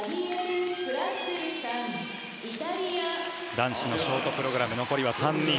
男子のショートプログラム残りは３人。